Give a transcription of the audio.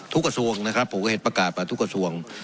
กระทรวงนะครับผมก็เห็นประกาศมาทุกกระทรวง